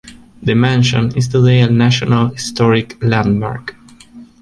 The mansion is today a National Historic Landmark.